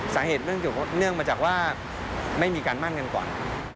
สาเหตุเงื่อนมาจากว่าไม่มีการมั่นเงินก่อน